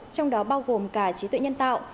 trong đó bao gồm cả trí tuệ nhân tạo